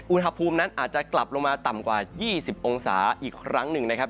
อุณหภูมินั้นอาจจะกลับลงมาต่ำกว่า๒๐องศาอีกครั้งหนึ่งนะครับ